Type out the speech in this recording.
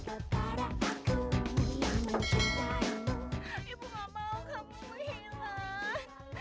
ibu enggak mau kamu hilang